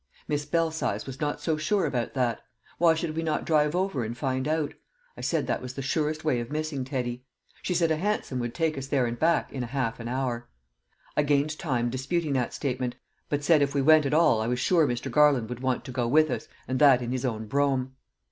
Miss Belsize was not so sure about that; why should we not drive over and find out? I said that was the surest way of missing Teddy. She said a hansom would take us there and back in a half an hour. I gained time disputing that statement, but said if we went at all I was sure Mr. Garland would want to go with us, and that in his own brougham.